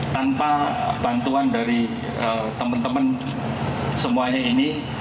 tanpa bantuan dari teman teman semuanya ini